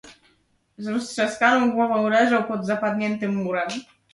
"z roztrzaskaną głową leżał pod zapadniętym murem."